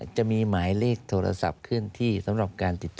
จะมีหมายเลขโทรศัพท์เคลื่อนที่สำหรับการติดต่อ